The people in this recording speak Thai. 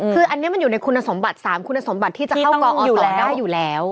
คืออันนี้มันอยู่ในคุณสมบัติ๓คุณสมบัติที่จะเข้ากองอยู่แล้วได้อยู่แล้ว